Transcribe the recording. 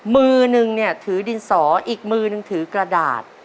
มืหนึ่งถือดินสออีกมืหนึ่งถือกระดาษ